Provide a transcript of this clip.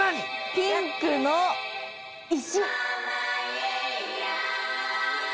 ピンクの石！